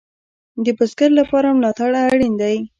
د بزګر لپاره ملاتړ اړین دی